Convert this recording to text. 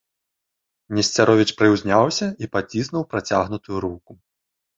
Несцяровіч прыўзняўся і паціснуў працягнутую руку.